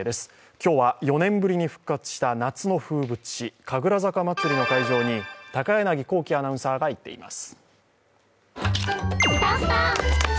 今日は４年ぶりに復活した夏の風物詩、神楽坂まつりの会場に高柳光希アナウンサーが行っています。